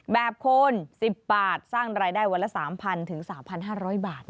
คน๑๐บาทสร้างรายได้วันละ๓๐๐๓๕๐๐บาท